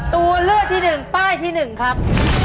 ตัวเลือกที่๑ป้ายที่๑ครับ